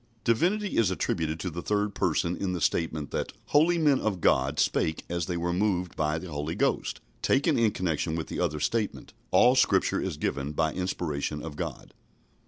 " Divinity is attributed to the third Person in the statement that "holy men of God spake as they were moved by the Holy Ghost," taken in connection with the other statement, "all Scripture is given by inspiration of God."